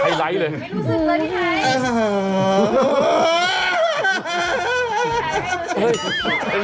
ไม่รู้สึกเลยพี่ไทย